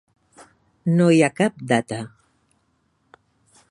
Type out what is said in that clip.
No hi ha cap data.